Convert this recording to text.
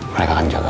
mereka akan jaga